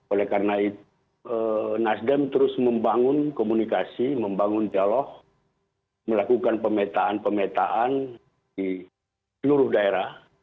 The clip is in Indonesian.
oleh karena itu nasdem terus membangun komunikasi membangun dialog melakukan pemetaan pemetaan di seluruh daerah